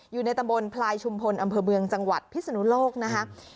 อยู่ในตำบลพลายชุมพลอำเภอเมืองจังหวัดพิศนุโลกนะคะ